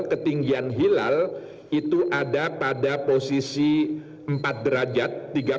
ketinggian hilal itu ada pada posisi empat derajat